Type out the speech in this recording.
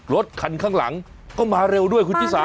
รถคันข้างหลังก็มาเร็วด้วยคุณชิสา